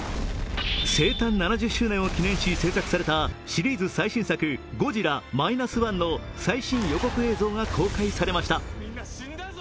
生誕７０周年を記念し製作されたシリーズ最新作、「ゴジラ−１．０」の最新予告映像が公開されました。